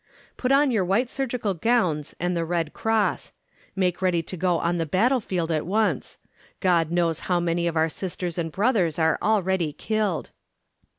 Put on your white surgical gowns, and the red cross. Make ready to go on the battlefield at once. God knows how many of our sisters and brothers are already killed."